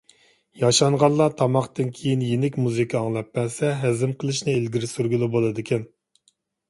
ياشانغانلار تاماقتىن كېيىن يېنىك مۇزىكا ئاڭلاپ بەرسە، ھەزىم قىلىشنى ئىلگىرى سۈرگىلى بولىدىكەن.